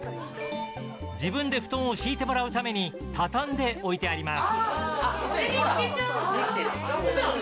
自分で布団を敷いてもらうために畳んで置いてあります。